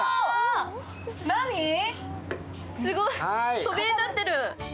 すごい、そびえ立ってる。